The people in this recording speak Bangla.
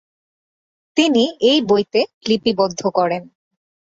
তিনি এই বইতে লিপিবদ্ধ করেন।